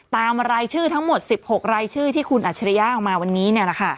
รายชื่อทั้งหมด๑๖รายชื่อที่คุณอัจฉริยะออกมาวันนี้